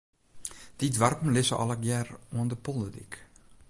Dy doarpen lizze allegear oan de polderdyk.